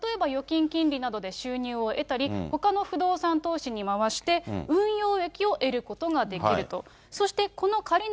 そして大家さんはこの７０００万円を使って、例えば預金金利などで収入を得たり、ほかの不動産投資に回して、運用益を得ることができると。